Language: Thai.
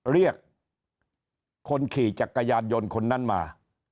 เรียกคนขี่จักรยานยนต์คนนั้นมา